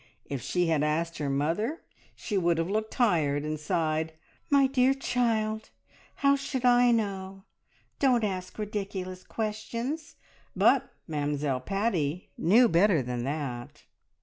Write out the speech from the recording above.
If she had asked her mother, she would have looked tired and sighed, and said, "My dear child! how should I know? Don't ask ridiculous questions," but Mamzelle Paddy knew better than that.